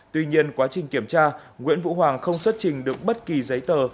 tuy nhiên quá trình kiểm tra nguyễn vũ hoàng không xuất trình được bất kỳ giấy tờ